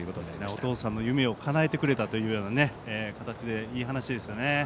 お父さんの夢をかなえてくれたといういい話ですよね。